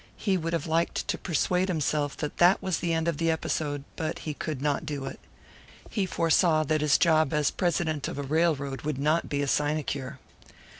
He would have liked to persuade himself that that was the end of the episode, but he could not do it. He foresaw that his job as president of a railroad would not be a sinecure.